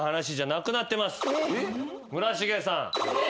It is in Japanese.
村重さん。